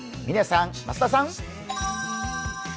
嶺さん、増田さん。